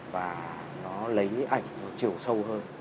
và nó lấy ảnh chiều sâu hơn